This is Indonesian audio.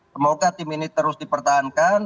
semoga tim ini terus dipertahankan